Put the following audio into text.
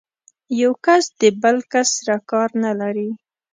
یو کس د بل کس سره کار نه لري.